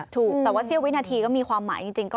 แต่ว่าเซียววินาธีก็มีความหมายที่จริง